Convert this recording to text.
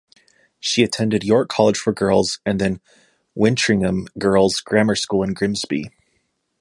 She attended York College for Girls and then Wintringham Girls' Grammar School in Grimsby.